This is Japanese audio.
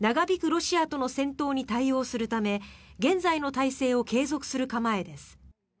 ロシアとの戦闘に対応するため現在の体制を継続する構えです。